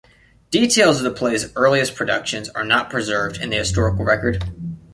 Details of the play's earliest productions are not preserved in the historical record.